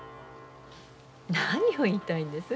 何を言いたいんです？